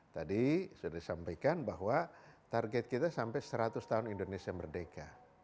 tadi sudah disampaikan bahwa target kita sampai seratus tahun indonesia merdeka